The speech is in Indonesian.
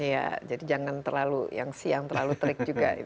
iya jadi jangan terlalu yang siang terlalu terik juga